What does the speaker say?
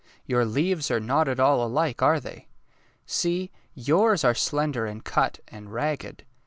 Your leaves are not at all alike, are they? See, yours are slender and cut and ragged.